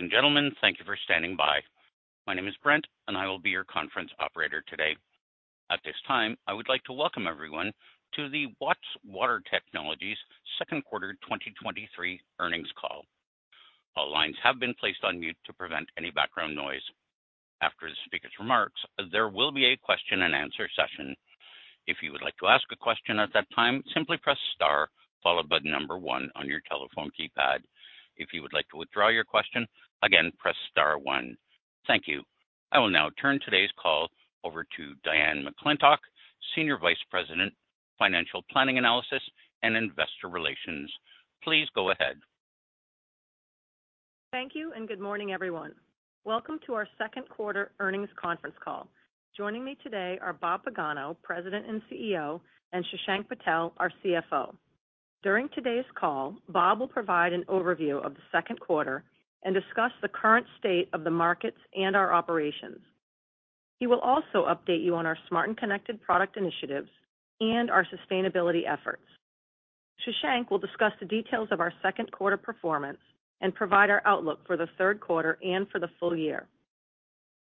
Ladies and gentlemen, thank you for standing by. My name is Brent, and I will be your conference operator today. At this time, I would like to welcome everyone to the Watts Water Technologies second quarter 2023 earnings call. All lines have been placed on mute to prevent any background noise. After the speaker's remarks, there will be a question-and-answer session. If you would like to ask a question at that time, simply press star, followed by the number 1 on your telephone keypad. If you would like to withdraw your question, again, press star 1. Thank you. I will now turn today's call over to Diane McClintock, Senior Vice President, Financial Planning, Analysis, and Investor Relations. Please go ahead. Thank you. Good morning, everyone. Welcome to our second quarter earnings conference call. Joining me today are Bob Pagano, President and CEO, and Shashank Patel, our CFO. During today's call, Bob will provide an overview of the second quarter and discuss the current state of the markets and our operations. He will also update you on our smart and connected product initiatives and our sustainability efforts. Shashank will discuss the details of our second quarter performance and provide our outlook for the third quarter and for the full year.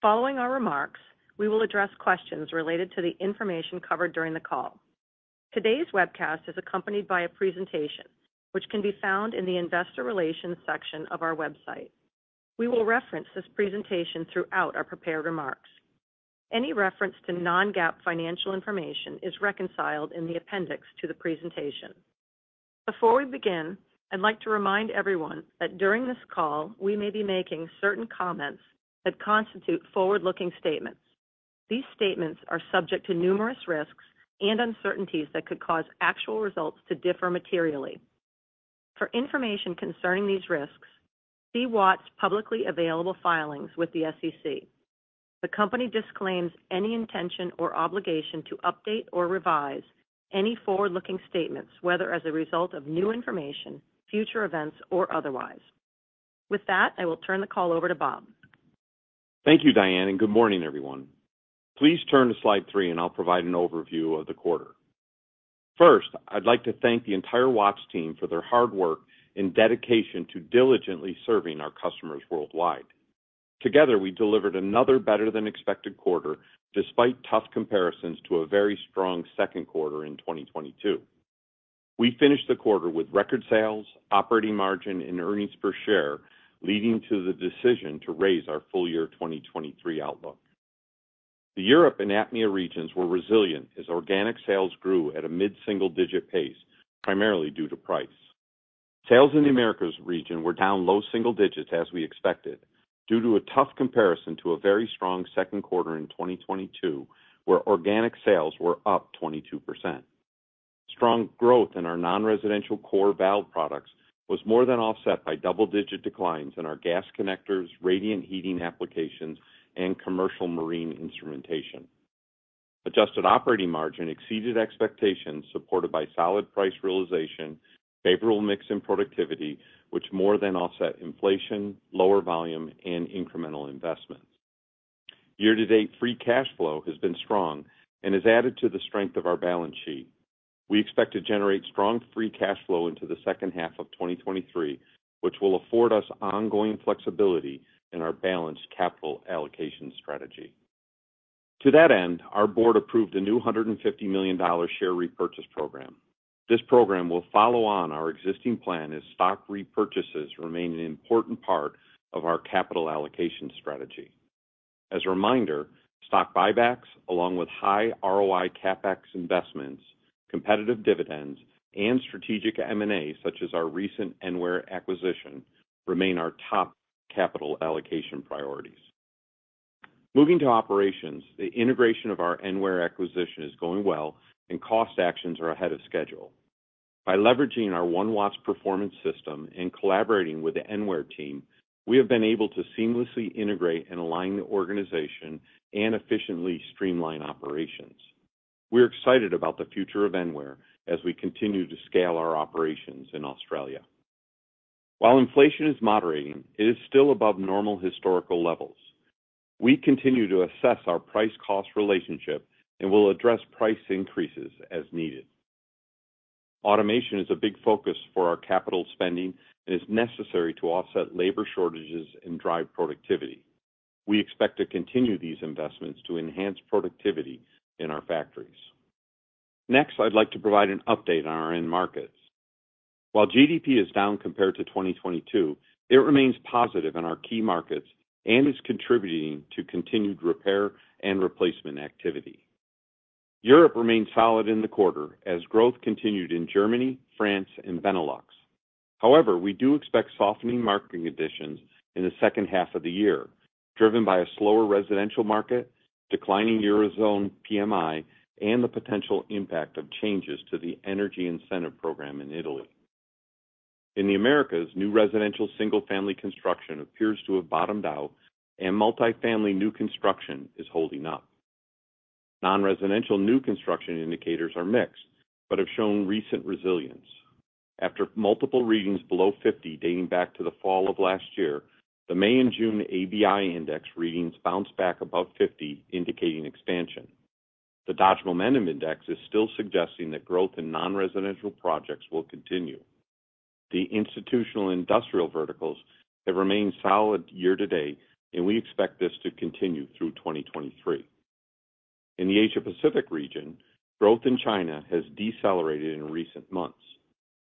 Following our remarks, we will address questions related to the information covered during the call. Today's webcast is accompanied by a presentation, which can be found in the Investor Relations section of our website. We will reference this presentation throughout our prepared remarks. Any reference to non-GAAP financial information is reconciled in the appendix to the presentation. Before we begin, I'd like to remind everyone that during this call, we may be making certain comments that constitute forward-looking statements. These statements are subject to numerous risks and uncertainties that could cause actual results to differ materially. For information concerning these risks, see Watts' publicly available filings with the SEC. The company disclaims any intention or obligation to update or revise any forward-looking statements, whether as a result of new information, future events, or otherwise. With that, I will turn the call over to Bob. Thank you, Diane. Good morning, everyone. Please turn to slide three. I'll provide an overview of the quarter. First, I'd like to thank the entire Watts team for their hard work and dedication to diligently serving our customers worldwide. Together, we delivered another better-than-expected quarter, despite tough comparisons to a very strong second quarter in 2022. We finished the quarter with record sales, operating margin, and earnings per share, leading to the decision to raise our full year 2023 outlook. The Europe and APMEA regions were resilient as organic sales grew at a mid-single-digit pace, primarily due to price. Sales in the Americas region were down low single digits, as we expected, due to a tough comparison to a very strong second quarter in 2022, where organic sales were up 22%. Strong growth in our non-residential core valve products was more than offset by double-digit declines in our gas connectors, radiant heating applications, and commercial marine instrumentation. Adjusted operating margin exceeded expectations, supported by solid price realization, favorable mix and productivity, which more than offset inflation, lower volume, and incremental investments. Year-to-date, free cash flow has been strong and has added to the strength of our balance sheet. We expect to generate strong free cash flow into the second half of 2023, which will afford us ongoing flexibility in our balanced capital allocation strategy. To that end, our board approved a new $150 million share repurchase program. This program will follow on our existing plan as stock repurchases remain an important part of our capital allocation strategy. As a reminder, stock buybacks, along with high ROI CapEx investments, competitive dividends, and strategic M&A, such as our recent Enware acquisition, remain our top capital allocation priorities. Moving to operations, the integration of our Enware acquisition is going well and cost actions are ahead of schedule. By leveraging our One Watts performance system and collaborating with the Enware team, we have been able to seamlessly integrate and align the organization and efficiently streamline operations. We're excited about the future of Enware as we continue to scale our operations in Australia. While inflation is moderating, it is still above normal historical levels. We continue to assess our price-cost relationship and will address price increases as needed. Automation is a big focus for our capital spending and is necessary to offset labor shortages and drive productivity. We expect to continue these investments to enhance productivity in our factories. Next, I'd like to provide an update on our end markets. While GDP is down compared to 2022, it remains positive in our key markets and is contributing to continued repair and replacement activity. Europe remains solid in the quarter as growth continued in Germany, France, and Benelux. However, we do expect softening market conditions in the second half of the year, driven by a slower residential market, declining Eurozone PMI, and the potential impact of changes to the energy incentive program in Italy. In the Americas, new residential single-family construction appears to have bottomed out, and multifamily new construction is holding up. Non-residential new construction indicators are mixed, but have shown recent resilience. After multiple readings below 50, dating back to the fall of last year, the May and June ABI Index readings bounced back above 50, indicating expansion.... The Dodge Momentum Index is still suggesting that growth in non-residential projects will continue. The institutional industrial verticals have remained solid year-to-date, and we expect this to continue through 2023. In the Asia Pacific region, growth in China has decelerated in recent months.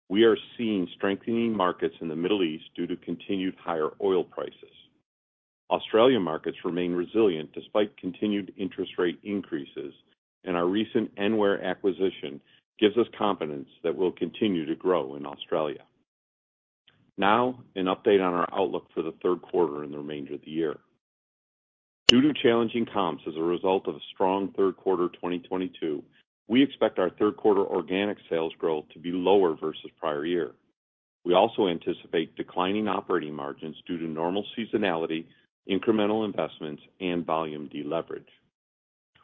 We are seeing strengthening markets in the Middle East due to continued higher oil prices. Australia markets remain resilient despite continued interest rate increases, and our recent Enware acquisition gives us confidence that we'll continue to grow in Australia. Now, an update on our outlook for the third quarter and the remainder of the year. Due to challenging comps as a result of a strong third quarter 2022, we expect our third quarter organic sales growth to be lower versus prior year. We also anticipate declining operating margins due to normal seasonality, incremental investments, and volume deleverage.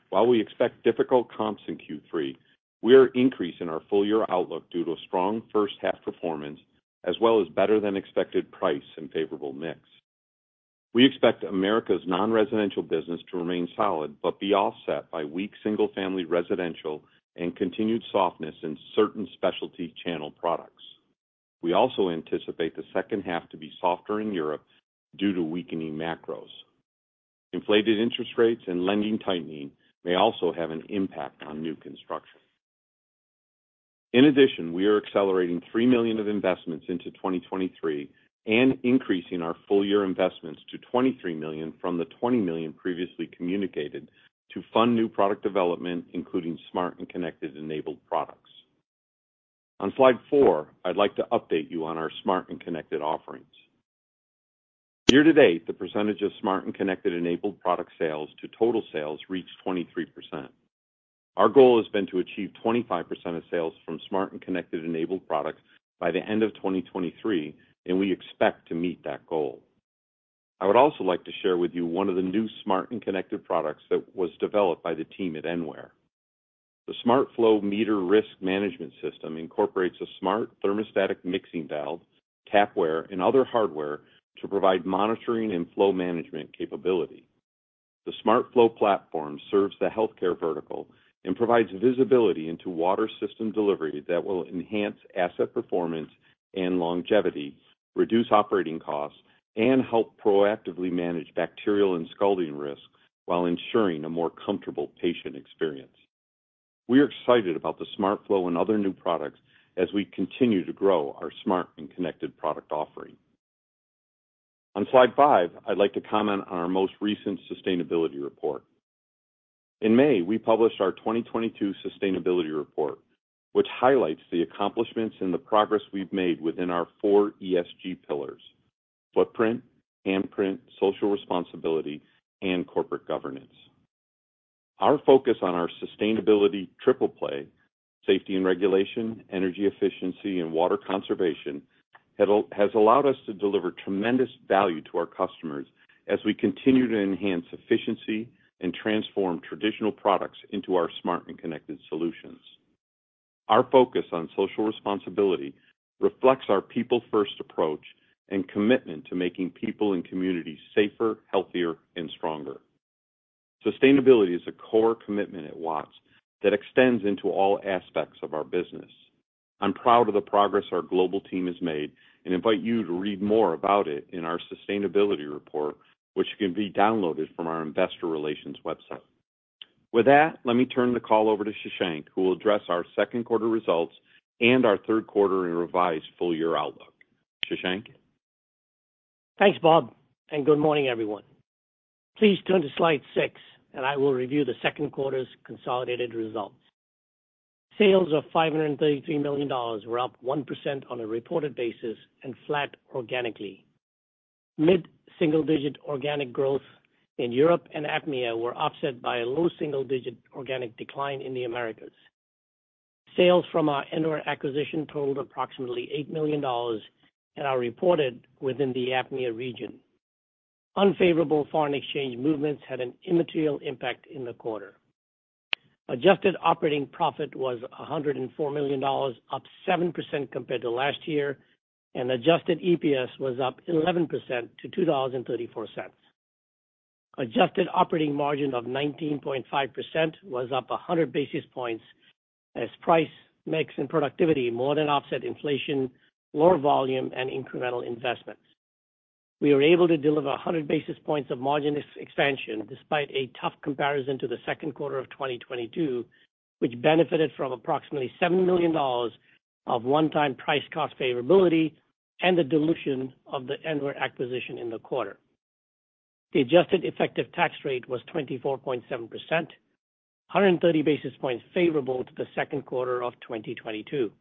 While we expect difficult comps in Q3, we are increasing our full-year outlook due to a strong first half performance, as well as better-than-expected price and favorable mix. We expect Americas' non-residential business to remain solid, but be offset by weak single-family residential and continued softness in certain specialty channel products. We also anticipate the second half to be softer in Europe due to weakening macros. Inflated interest rates and lending tightening may also have an impact on new construction. In addition, we are accelerating $3 million of investments into 2023 and increasing our full-year investments to $23 million from the $20 million previously communicated, to fund new product development, including smart and connected enabled products. On slide four, I'd like to update you on our smart and connected offerings. Year-to-date, the percentage of smart and connected enabled product sales to total sales reached 23%. Our goal has been to achieve 25% of sales from smart and connected enabled products by the end of 2023, and we expect to meet that goal. I would also like to share with you one of the new smart and connected products that was developed by the team at Enware. The SMART FLOW Meter Risk Management System incorporates a smart thermostatic mixing valve, tapware, and other hardware to provide monitoring and flow management capability. The SMART FLOW platform serves the healthcare vertical and provides visibility into water system delivery that will enhance asset performance and longevity, reduce operating costs, and help proactively manage bacterial and scalding risks while ensuring a more comfortable patient experience. We are excited about the SMART FLOW and other new products as we continue to grow our smart and connected product offering. On slide five, I'd like to comment on our most recent sustainability report. In May, we published our 2022 sustainability report, which highlights the accomplishments and the progress we've made within our 4 ESG pillars: footprint, handprint, social responsibility, and corporate governance. Our focus on our sustainability triple play, safety and regulation, energy efficiency, and water conservation, has allowed us to deliver tremendous value to our customers as we continue to enhance efficiency and transform traditional products into our smart and connected solutions. Our focus on social responsibility reflects our people-first approach and commitment to making people and communities safer, healthier, and stronger. Sustainability is a core commitment at Watts that extends into all aspects of our business. I'm proud of the progress our global team has made, and invite you to read more about it in our sustainability report, which can be downloaded from our investor relations website. With that, let me turn the call over to Shashank, who will address our second quarter results and our third quarter and revised full-year outlook. Shashank? Thanks, Bob, and good morning, everyone. Please turn to slide six. I will review the second quarter's consolidated results. Sales of $533 million were up 1% on a reported basis and flat organically. Mid-single-digit organic growth in Europe and APMEA were offset by a low single-digit organic decline in the Americas. Sales from our Enware acquisition totaled approximately $8 million and are reported within the APMEA region. Unfavorable foreign exchange movements had an immaterial impact in the quarter. Adjusted operating profit was $104 million, up 7% compared to last year. Adjusted EPS was up 11% to $2.34. Adjusted operating margin of 19.5% was up 100 basis points as price, mix, and productivity more than offset inflation, lower volume, and incremental investments. We were able to deliver 100 basis points of margin ex-expansion despite a tough comparison to the second quarter of 2022, which benefited from approximately $7 million of one-time price cost favorability and the dilution of the Enware acquisition in the quarter. The adjusted effective tax rate was 24.7%, 130 basis points favorable to the second quarter of 2022.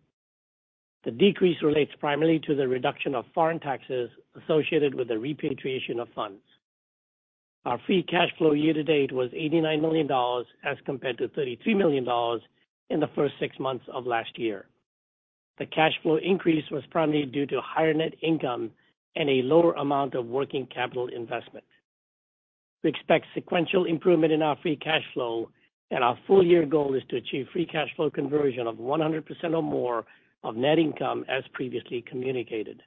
The decrease relates primarily to the reduction of foreign taxes associated with the repatriation of funds. Our free cash flow year to date was $89 million, as compared to $33 million in the first six months of last year. The cash flow increase was primarily due to higher net income and a lower amount of working capital investment. We expect sequential improvement in our free cash flow, and our full-year goal is to achieve free cash flow conversion of 100% or more of net income, as previously communicated.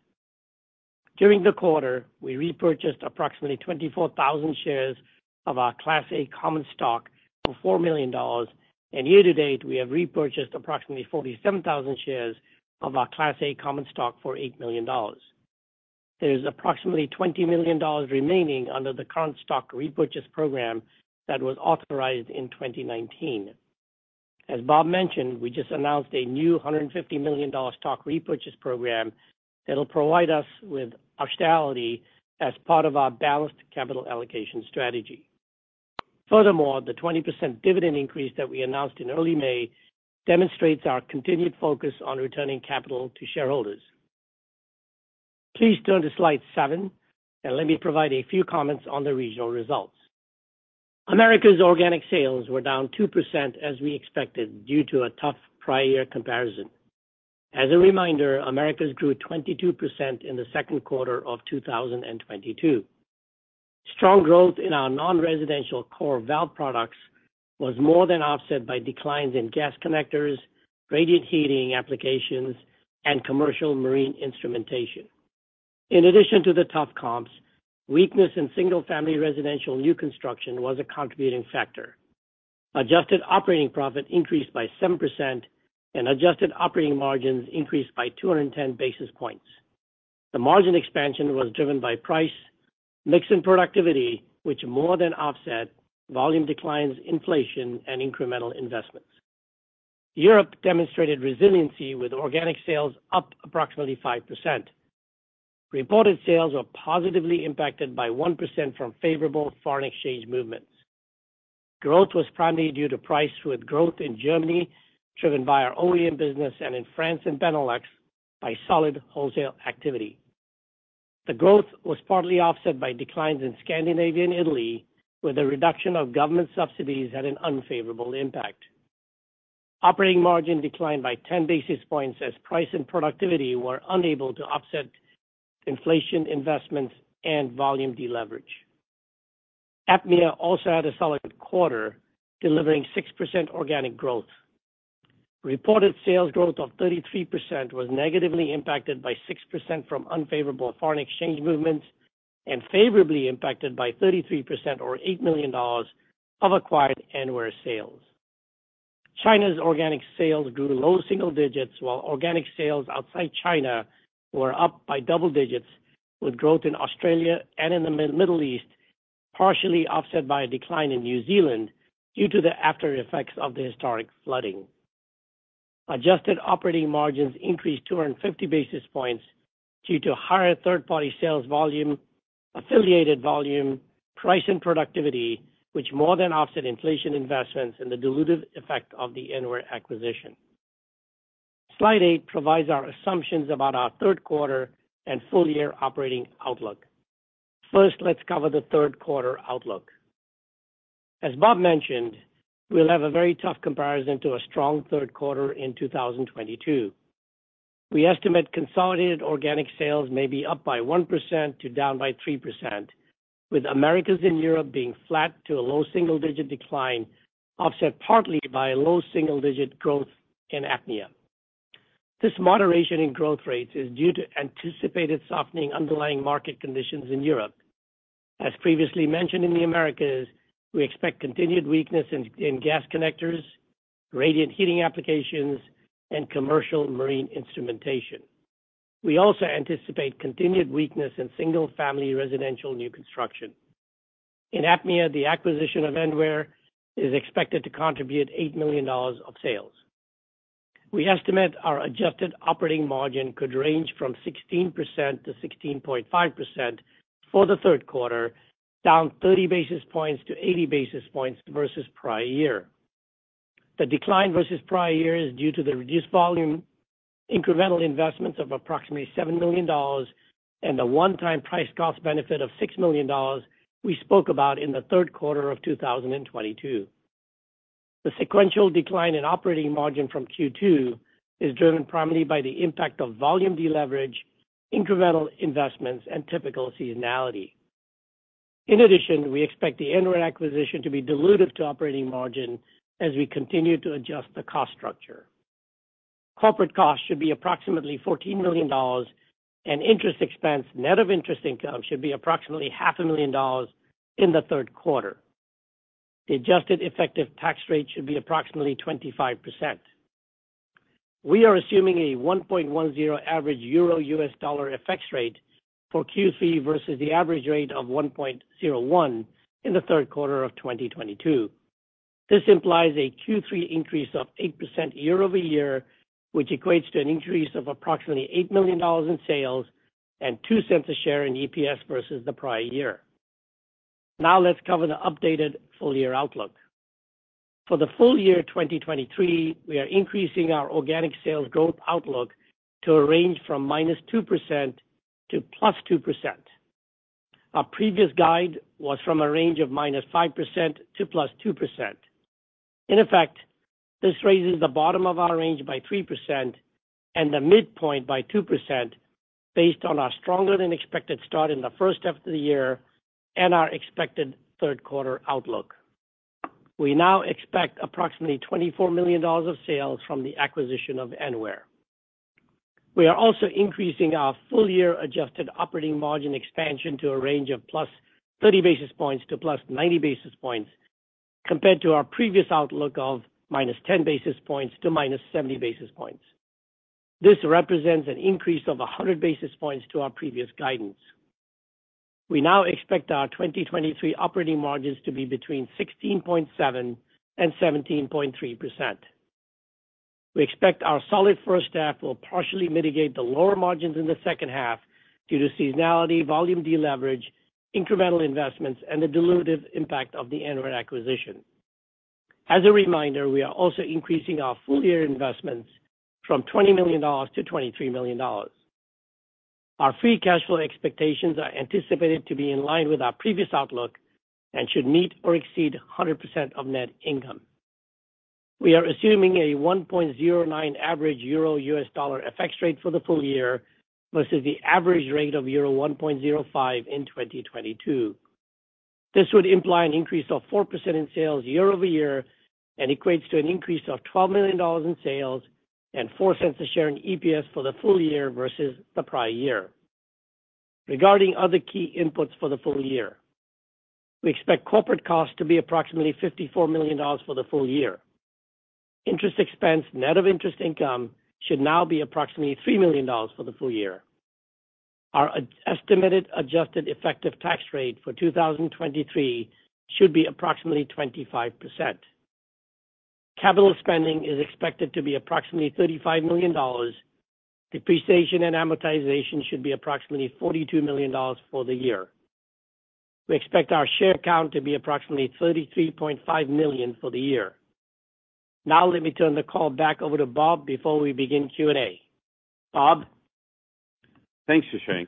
During the quarter, we repurchased approximately 24,000 shares of our Class A common stock for $4 million, and year to date, we have repurchased approximately 47,000 shares of our Class A common stock for $8 million. There is approximately $20 million remaining under the current stock repurchase program that was authorized in 2019. As Bob mentioned, we just announced a new $150 million stock repurchase program that will provide us with optionality as part of our balanced capital allocation strategy. Furthermore, the 20% dividend increase that we announced in early May demonstrates our continued focus on returning capital to shareholders. Please turn to slide seven, and let me provide a few comments on the regional results. Americas organic sales were down 2%, as we expected, due to a tough prior year comparison. As a reminder, Americas grew 22% in the second quarter of 2022. Strong growth in our non-residential core valve products was more than offset by declines in gas connectors, radiant heating applications, and commercial marine instrumentation. In addition to the tough comps, weakness in single-family residential new construction was a contributing factor. Adjusted operating profit increased by 7% and adjusted operating margins increased by 210 basis points. The margin expansion was driven by price, mix, and productivity, which more than offset volume declines, inflation, and incremental investments. Europe demonstrated resiliency, with organic sales up approximately 5%. Reported sales are positively impacted by 1% from favorable foreign exchange movements. Growth was primarily due to price, with growth in Germany driven by our OEM business and in France and Benelux by solid wholesale activity. The growth was partly offset by declines in Scandinavia and Italy, where the reduction of government subsidies had an unfavorable impact. Operating margin declined by 10 basis points as price and productivity were unable to offset inflation, investments, and volume deleverage. APMEA also had a solid quarter, delivering 6% organic growth. Reported sales growth of 33% was negatively impacted by 6% from unfavorable foreign exchange movements and favorably impacted by 33% or $8 million of acquired Enware sales. China's organic sales grew low single digits, while organic sales outside China were up by double digits, with growth in Australia and in the Middle East, partially offset by a decline in New Zealand due to the after effects of the historic flooding. Adjusted operating margins increased 250 basis points due to higher third-party sales volume, affiliated volume, price and productivity, which more than offset inflation investments and the dilutive effect of the Enware acquisition. Slide eight provides our assumptions about our third quarter and full-year operating outlook. First, let's cover the third quarter outlook. As Bob mentioned, we'll have a very tough comparison to a strong third quarter in 2022. We estimate consolidated organic sales may be up by 1% to down by 3%, with Americas and Europe being flat to a low single-digit decline, offset partly by a low single-digit growth in APMEA. This moderation in growth rates is due to anticipated softening underlying market conditions in Europe. As previously mentioned in the Americas, we expect continued weakness in gas connectors, radiant heating applications, and commercial marine instrumentation. We also anticipate continued weakness in single-family residential new construction. In APMEA, the acquisition of Enware is expected to contribute $8 million of sales. We estimate our adjusted operating margin could range from 16%-16.5% for the third quarter, down 30 basis points to 80 basis points versus prior year. The decline versus prior year is due to the reduced volume, incremental investments of approximately $7 million, and a one-time price cost benefit of $6 million we spoke about in the third quarter of 2022. The sequential decline in operating margin from Q2 is driven primarily by the impact of volume deleverage, incremental investments, and typical seasonality. In addition, we expect the Enware acquisition to be dilutive to operating margin as we continue to adjust the cost structure. Corporate costs should be approximately $14 million, and interest expense, net of interest income, should be approximately $500,000 in the third quarter. The adjusted effective tax rate should be approximately 25%. We are assuming a 1.10 average euro-U.S. dollar FX rate for Q3 versus the average rate of 1.01 in the third quarter of 2022. This implies a Q3 increase of 8% year-over-year, which equates to an increase of approximately $8 million in sales and $0.02 a share in EPS versus the prior year. Now let's cover the updated full-year outlook. For the full year 2023, we are increasing our organic sales growth outlook to a range from -2% to +2%. Our previous guide was from a range of -5% to +2%. In effect, this raises the bottom of our range by 3% and the midpoint by 2% based on our stronger than expected start in the first half of the year and our expected third quarter outlook. We now expect approximately $24 million of sales from the acquisition of Enware. We are also increasing our full-year adjusted operating margin expansion to a range of +30 basis points to +90 basis points, compared to our previous outlook of -10 basis points to -70 basis points. This represents an increase of 100 basis points to our previous guidance. We now expect our 2023 operating margins to be between 16.7% and 17.3%. We expect our solid first half will partially mitigate the lower margins in the second half due to seasonality, volume deleverage, incremental investments, and the dilutive impact of the Enware acquisition. As a reminder, we are also increasing our full-year investments from $20 million-$23 million. Our free cash flow expectations are anticipated to be in line with our previous outlook and should meet or exceed 100% of net income. We are assuming a 1.09 average euro U.S. dollar FX rate for the full year, versus the average rate of euro 1.05 in 2022. This would imply an increase of 4% in sales year-over-year and equates to an increase of $12 million in sales and $0.04 a share in EPS for the full year versus the prior year. Regarding other key inputs for the full year, we expect corporate costs to be approximately $54 million for the full year. Interest expense, net of interest income, should now be approximately $3 million for the full year. Our estimated adjusted effective tax rate for 2023 should be approximately 25%. Capital spending is expected to be approximately $35 million. Depreciation and amortization should be approximately $42 million for the year. We expect our share count to be approximately 33.5 million for the year. Now, let me turn the call back over to Bob before we begin Q&A. Bob? Thanks, Shashank.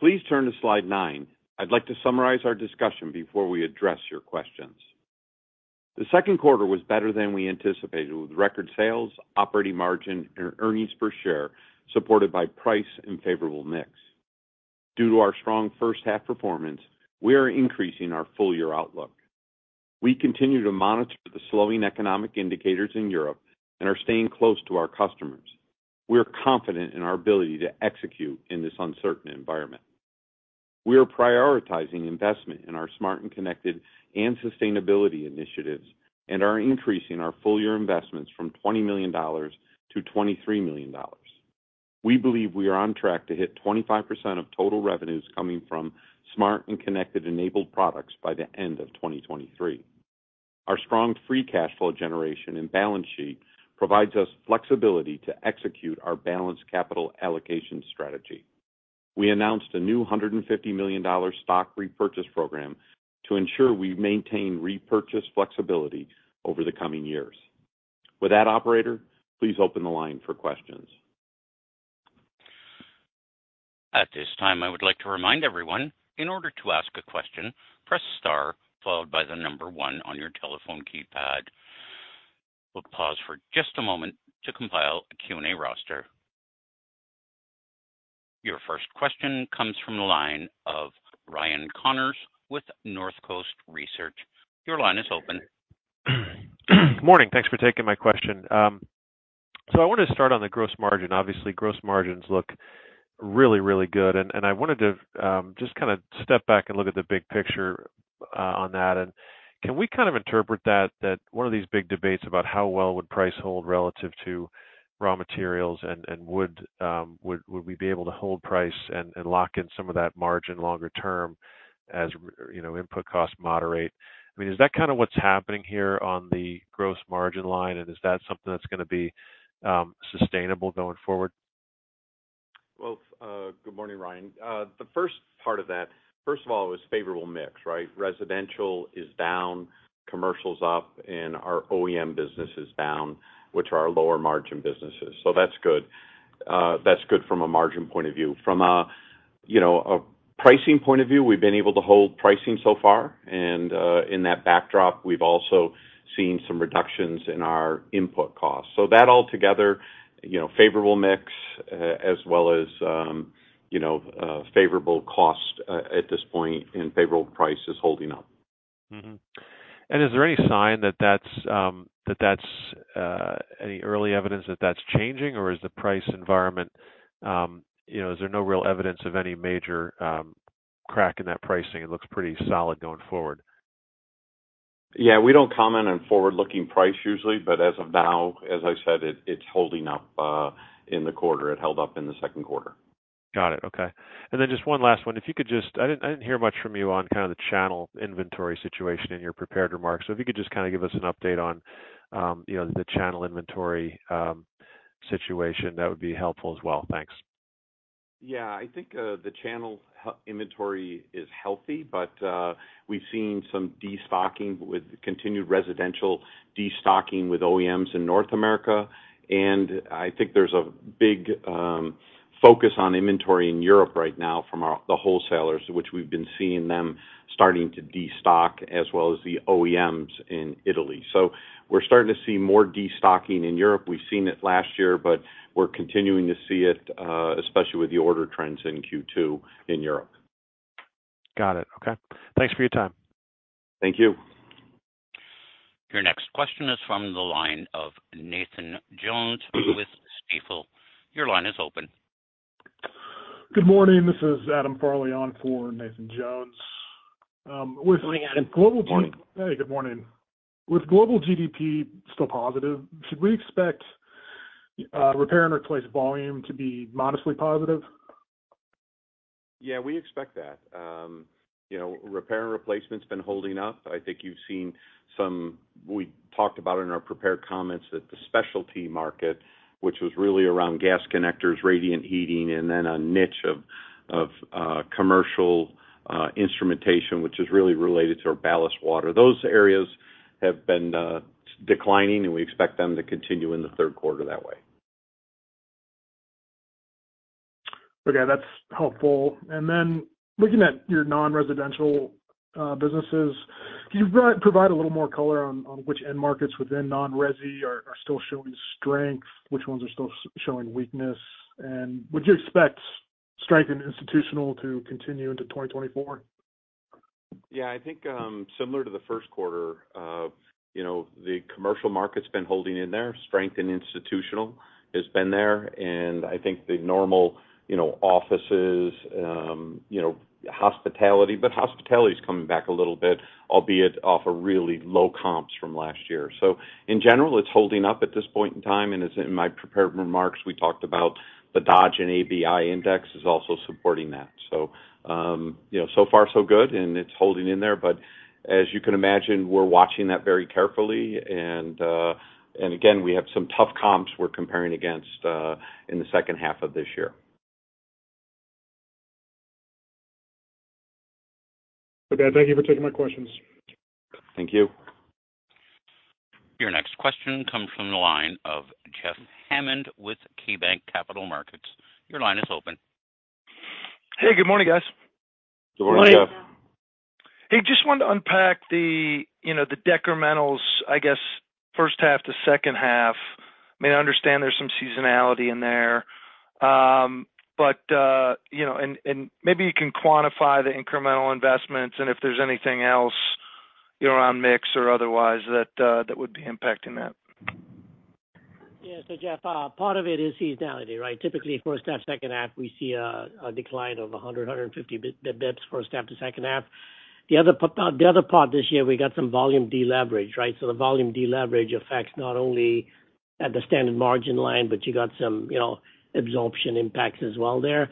Please turn to slide nine. I'd like to summarize our discussion before we address your questions. The second quarter was better than we anticipated, with record sales, operating margin, and earnings per share, supported by price and favorable mix. Due to our strong first half performance, we are increasing our full-year outlook. We continue to monitor the slowing economic indicators in Europe and are staying close to our customers. We are confident in our ability to execute in this uncertain environment. We are prioritizing investment in our smart and connected and sustainability initiatives and are increasing our full-year investments from $20 million-$23 million. We believe we are on track to hit 25% of total revenues coming from smart and connected enabled products by the end of 2023. Our strong free cash flow generation and balance sheet provides us flexibility to execute our balanced capital allocation strategy. We announced a new $150 million stock repurchase program to ensure we maintain repurchase flexibility over the coming years. With that, operator, please open the line for questions. At this time, I would like to remind everyone, in order to ask a question, press star followed by the number one on your telephone keypad. We'll pause for just a moment to compile a Q&A roster. Your first question comes from the line of Ryan Connors with Northcoast Research. Your line is open. Good morning. Thanks for taking my question. I wanted to start on the gross margin. Obviously, gross margins look really, really good, and, and I wanted to just kind of step back and look at the big picture on that. Can we kind of interpret that, that one of these big debates about how well would price hold relative to raw materials and, and would, would we be able to hold price and, and lock in some of that margin longer term as r- you know, input costs moderate? I mean, is that kind of what's happening here on the gross margin line, and is that something that's going to be sustainable going forward? Well, good morning, Ryan. The first part of that, first of all, it was favorable mix, right? Residential is down, commercial's up, and our OEM business is down, which are our lower margin businesses. That's good. That's good from a margin point of view. From a, you know, a pricing point of view, we've been able to hold pricing so far, and, in that backdrop, we've also seen some reductions in our input costs. That altogether, you know, favorable mix, as well as, you know, favorable cost, at this point, and favorable price is holding up. Mm-hmm. Is there any sign that that's... that that's any early evidence that that's changing, or is the price environment, you know, is there no real evidence of any major crack in that pricing? It looks pretty solid going forward. Yeah, we don't comment on forward-looking price usually, but as of now, as I said, it, it's holding up in the quarter. It held up in the second quarter. Got it. Okay. Then just one last one. If you could just, I didn't, I didn't hear much from you on kind of the channel inventory situation in your prepared remarks. If you could just kind of give us an update on, you know, the channel inventory situation, that would be helpful as well. Thanks. Yeah. I think the channel inventory is healthy. We've seen some destocking with continued residential destocking with OEMs in North America. I think there's a big focus on inventory in Europe right now from the wholesalers, which we've been seeing them starting to destock, as well as the OEMs in Italy. We're starting to see more destocking in Europe. We've seen it last year, but we're continuing to see it, especially with the order trends in Q2 in Europe. Got it. Okay. Thanks for your time. Thank you. Your next question is from the line of Nathan Jones with Stifel. Your line is open. Good morning. This is Adam Farley on for Nathan Jones. Good morning, Adam. Hey, good morning. With global GDP still positive, should we expect repair and replace volume to be modestly positive? Yeah, we expect that. You know, repair and replacement's been holding up. I think you've seen we talked about in our prepared comments that the specialty market, which was really around gas connectors, radiant heating, and then a niche of commercial instrumentation, which is really related to our ballast water. Those areas have been declining. We expect them to continue in the third quarter that way. Okay, that's helpful. Then looking at your non-residential businesses, can you provide a little more color on which end markets within non-resi are still showing strength, which ones are still showing weakness? Would you expect strength in institutional to continue into 2024? Yeah, I think, similar to the first quarter, you know, the commercial market's been holding in there. Strength in institutional has been there, and I think the normal, you know, offices, you know, hospitality, but hospitality is coming back a little bit, albeit off of really low comps from last year. In general, it's holding up at this point in time, and as in my prepared remarks, we talked about the Dodge and ABI index is also supporting that. You know, so far so good, and it's holding in there. As you can imagine, we're watching that very carefully, and, and again, we have some tough comps we're comparing against, in the second half of this year. Okay. Thank you for taking my questions. Thank you. Your next question comes from the line of Jeff Hammond with KeyBanc Capital Markets. Your line is open. Hey, good morning, guys. Good morning, Jeff. Morning. Hey, just wanted to unpack the, you know, the decrementals, I guess, first half to second half. I mean, I understand there's some seasonality in there, but, you know, and, and maybe you can quantify the incremental investments and if there's anything else, you know, on mix or otherwise, that, that would be impacting that. Jeff, part of it is seasonality, right? Typically, first half, second half, we see a, a decline of 100-150 basis points, first half to second half. The other part, this year, we got some volume deleverage, right? So the volume deleverage affects not only at the standard margin line, but you got some, you know, absorption impacts as well there.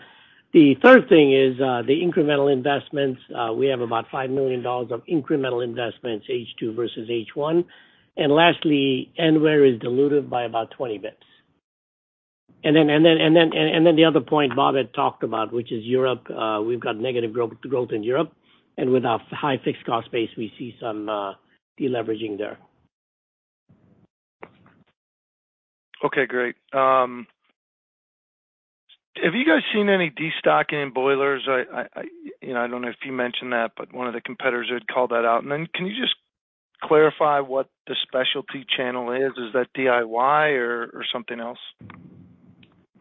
The third thing is, the incremental investments. We have about $5 million of incremental investments, H2 versus H1. Lastly, Enware is diluted by about 20 basis points. Then the other point Bob had talked about, which is Europe. We've got negative growth in Europe, and with our high fixed cost base, we see some deleveraging there. Okay, great. Have you guys seen any destocking in boilers? You know, I don't know if you mentioned that, but one of the competitors had called that out. Can you just clarify what the specialty channel is? Is that DIY or, or something else?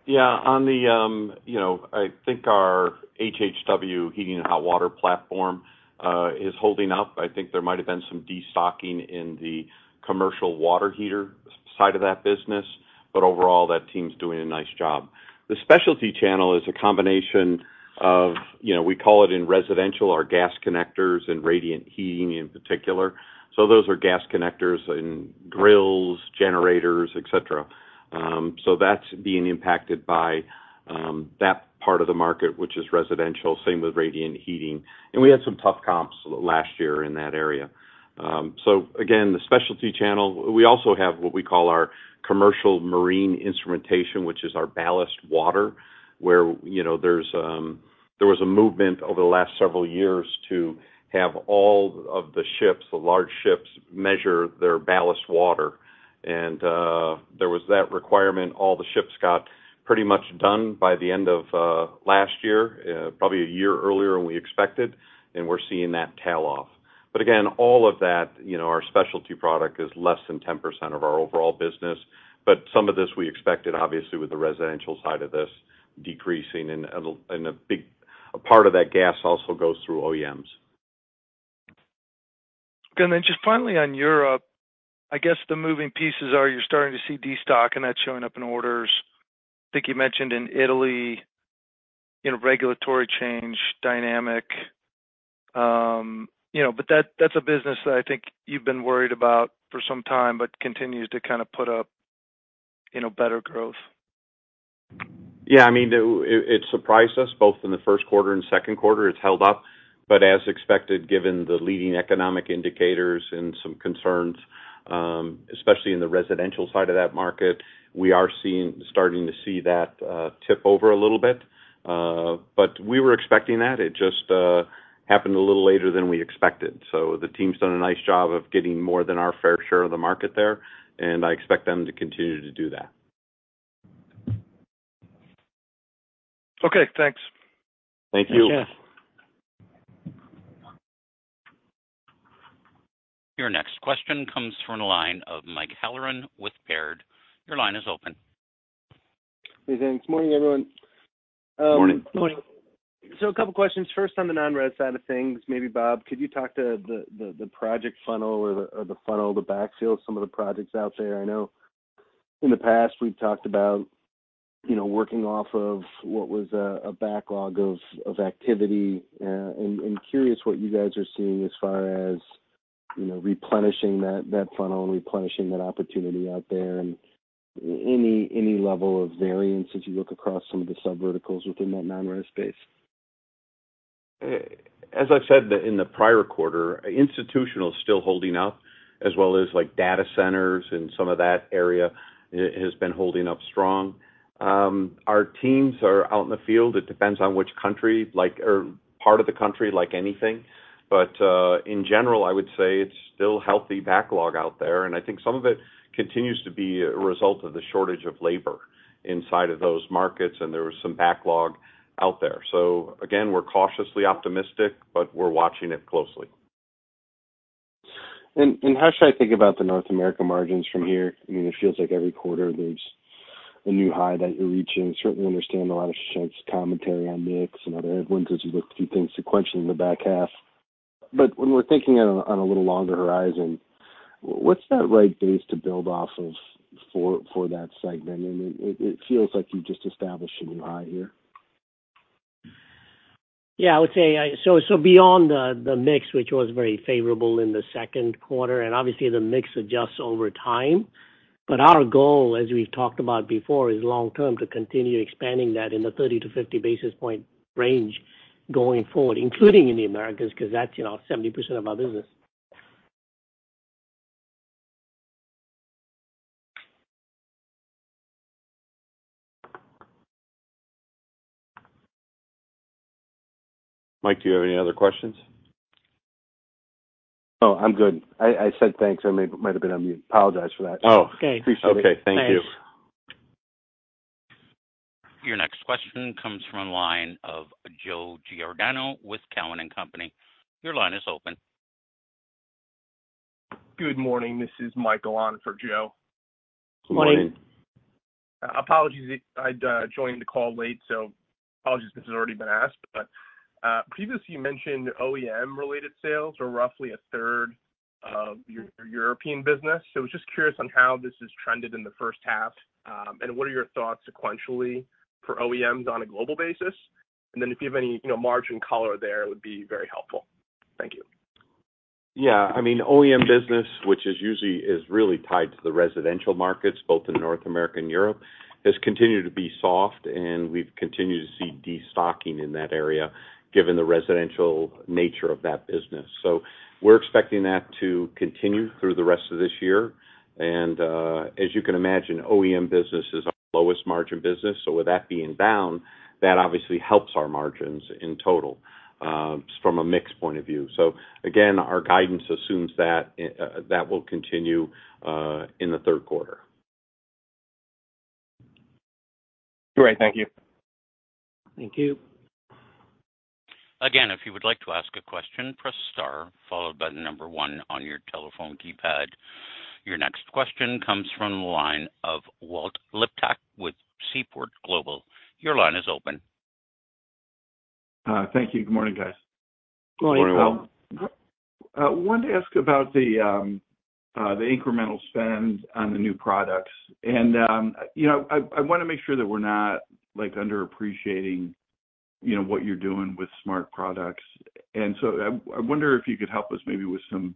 Yeah, on the, you know, I think our HHW, heating and hot water platform, is holding up. I think there might have been some destocking in the commercial water heater side of that business, overall, that team's doing a nice job. The specialty channel is a combination of, you know, we call it in residential, our gas connectors and radiant heating in particular. Those are gas connectors in grills, generators, et cetera. That's being impacted by that part of the market, which is residential, same with radiant heating. We had some tough comps last year in that area. Again, the specialty channel, we also have what we call our commercial marine instrumentation, which is our ballast water, where, you know, there's there was a movement over the last several years to have all of the ships, the large ships, measure their ballast water. There was that requirement. All the ships got pretty much done by the end of last year, probably one year earlier than we expected, and we're seeing that tail off. Again, all of that, you know, our specialty product is less than 10% of our overall business. Some of this we expected, obviously, with the residential side of this decreasing and a, and a big, a part of that gas also goes through OEMs. Just finally on Europe, I guess the moving pieces are you're starting to see destock, and that's showing up in orders. I think you mentioned in Italy, you know, regulatory change, dynamic. You know, that, that's a business that I think you've been worried about for some time but continues to kind of put up, you know, better growth. Yeah, I mean, it, it, it surprised us, both in the first quarter and second quarter, it's held up. But as expected, given the leading economic indicators and some concerns, especially in the residential side of that market, we are seeing starting to see that tip over a little bit. But we were expecting that. It just happened a little later than we expected. The team's done a nice job of getting more than our fair share of the market there, and I expect them to continue to do that. Okay, thanks. Thank you. Thanks, Jeff. Your next question comes from the line of Mike Halloran with Baird. Your line is open. Hey, thanks. Morning, everyone. Morning. A couple questions. First, on the non-res side of things, maybe Bob, could you talk to the, the, the project funnel or the, or the funnel, the backfill of some of the projects out there? I know in the past, we've talked about, you know, working off of what was a, a backlog of, of activity. And curious what you guys are seeing as far as, you know, replenishing that, that funnel and replenishing that opportunity out there, and any, any level of variance as you look across some of the subverticals within that non-res space? As I've said, the, in the prior quarter, institutional is still holding up, as well as, like, data centers and some of that area has been holding up strong. Our teams are out in the field. It depends on which country, like or part of the country, like anything. In general, I would say it's still healthy backlog out there, and I think some of it continues to be a result of the shortage of labor inside of those markets, and there was some backlog out there. Again, we're cautiously optimistic, but we're watching it closely. How should I think about the North America margins from here? I mean, it feels like every quarter there's a new high that you're reaching. Certainly understand a lot of commentary on mix and other headwinds as you look through things sequentially in the back half. When we're thinking on a, on a little longer horizon, what's that right base to build off of for that segment? I mean, it feels like you just established a new high here. Yeah, I would say, beyond the, the mix, which was very favorable in the second quarter, and obviously the mix adjusts over time, but our goal, as we've talked about before, is long term, to continue expanding that in the 30-50 basis point range going forward, including in the Americas, because that's, you know, 70% of our business. Mike, do you have any other questions? No, I'm good. I said thanks. I might have been on mute. Apologize for that. Oh. Okay. Okay, thank you. Thanks. Your next question comes from the line of Joe Giordano with Cowen and Company. Your line is open. Good morning. This is Mike on for Joe. Morning. Morning. Apologies, I joined the call late, so apologies if this has already been asked, but previously you mentioned OEM-related sales are roughly a third of your European business. I was just curious on how this has trended in the first half, and what are your thoughts sequentially for OEMs on a global basis? If you have any, you know, margin color there, it would be very helpful. Thank you. Yeah, I mean, OEM business, which is usually is really tied to the residential markets, both in North America and Europe, has continued to be soft, and we've continued to see destocking in that area, given the residential nature of that business. We're expecting that to continue through the rest of this year, and, as you can imagine, OEM business is our lowest margin business. With that being down, that obviously helps our margins in total, from a mix point of view. Again, our guidance assumes that that will continue in the third quarter. Great. Thank you. Thank you. If you would like to ask a question, press star, followed by one on your telephone keypad. Your next question comes from the line of Walt Liptak with Seaport Global. Your line is open. thank you. Good morning, guys. Good morning, Walt. Wanted to ask about the incremental spend on the new products. You know, I, I wanna make sure that we're not, like, underappreciating, you know, what you're doing with smart products. So I, I wonder if you could help us maybe with some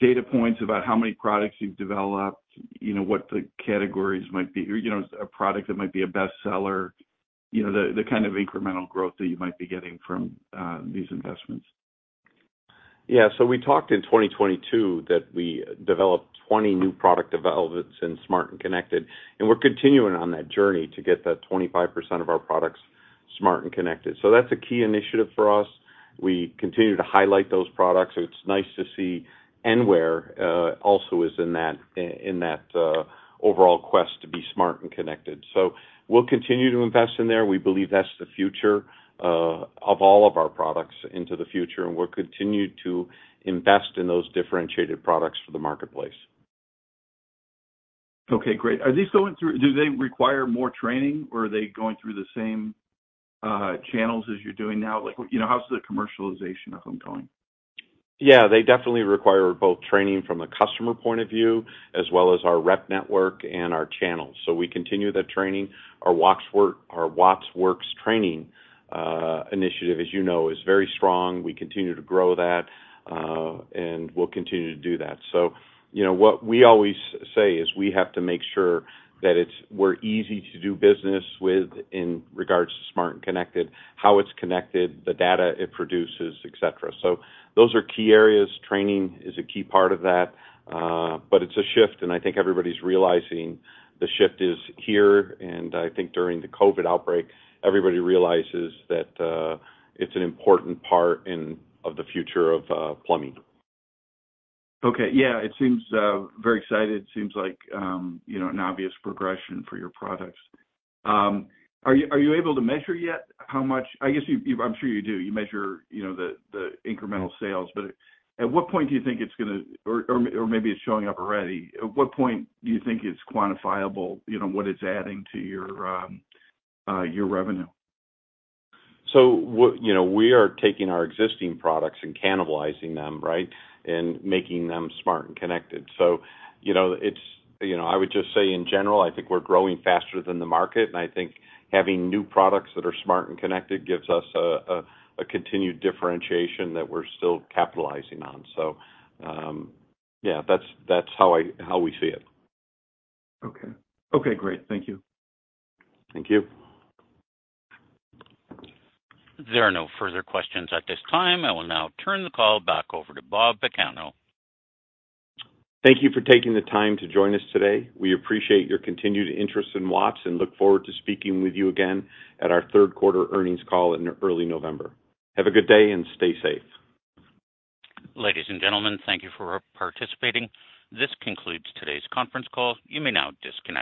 data points about how many products you've developed, you know, what the categories might be, or, you know, a product that might be a best seller, you know, the, the kind of incremental growth that you might be getting from these investments? Yeah. We talked in 2022 that we developed 20 new product developments in smart and connected, and we're continuing on that journey to get that 25% of our products smart and connected. That's a key initiative for us. We continue to highlight those products. It's nice to see Enware also is in that, in, in that overall quest to be smart and connected. We'll continue to invest in there. We believe that's the future of all of our products into the future, and we'll continue to invest in those differentiated products for the marketplace. Okay, great. Are these going through-- Do they require more training, or are they going through the same channels as you're doing now? Like, you know, how's the commercialization of them going? Yeah, they definitely require both training from a customer point of view, as well as our rep network and our channels. We continue that training. Our Watts Work-- our Watts Works training initiative, as you know, is very strong. We continue to grow that, and we'll continue to do that. You know, what we always say is we have to make sure that it's-- we're easy to do business with in regards to smart and connected, how it's connected, the data it produces, et cetera. Those are key areas. Training is a key part of that, but it's a shift, and I think everybody's realizing the shift is here, and I think during the COVID outbreak, everybody realizes that, it's an important part in-- of the future of plumbing. Okay, yeah. It seems very excited. It seems like, you know, an obvious progression for your products. Are you, are you able to measure yet how much... I guess you, I'm sure you do. You measure, you know, the, the incremental sales, but at what point do you think it's gonna, or maybe it's showing up already. At what point do you think it's quantifiable, you know, what it's adding to your revenue? You know, we are taking our existing products and cannibalizing them, right? Making them smart and connected. You know, it's, you know, I would just say in general, I think we're growing faster than the market, and I think having new products that are smart and connected gives us a, a, a continued differentiation that we're still capitalizing on. Yeah, that's, that's how I, how we see it. Okay. Okay, great. Thank you. Thank you. There are no further questions at this time. I will now turn the call back over to Bob Pagano. Thank you for taking the time to join us today. We appreciate your continued interest in Watts and look forward to speaking with you again at our third quarter earnings call in early November. Have a good day and stay safe. Ladies and gentlemen, thank you for participating. This concludes today's conference call. You may now disconnect.